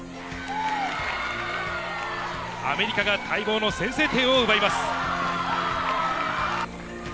アメリカが待望の先制点を奪います。